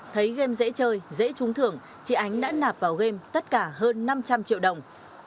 thấy game dễ chơi dễ trúng thưởng chị ánh đã nạp vào game tất cả hơn năm trăm linh triệu đồng